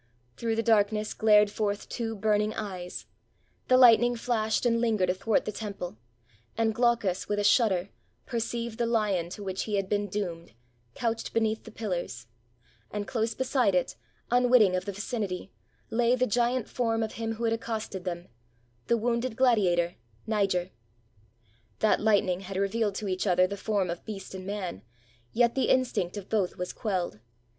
Through the darkness glared forth two burning eyes — the lightning flashed and lingered athwart the temple — and Glaucus, with a shudder, perceived the lion to which he had been doomed couched beneath the pillars; and, close beside it, unwitting of the vicinity, lay the giant form of him who had accosted them — the wounded gladiator, Niger. That lightning had revealed to each other the form of beast and man ; yet the instinct of both was quelled.